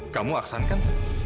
kamu aksan kan